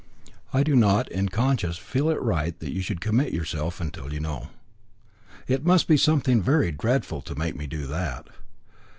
I do not, in conscience, feel it right that you should commit yourself till you know." "It must be something very dreadful to make me do that."